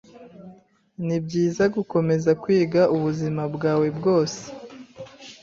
Nibyiza gukomeza kwiga ubuzima bwawe bwose.